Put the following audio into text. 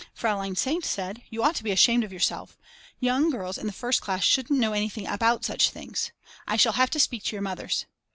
Fraulein St. said: You ought to be ashamed of yourselves, young girls in the first class shouldn't know anything about such things. I shall have to speak to your mothers.